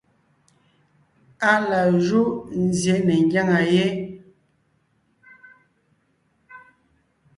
Á la júʼ nzsyè ne ńgyáŋa yé,